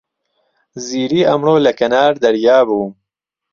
زیری ئەمڕۆ لە کەنار دەریا بوو.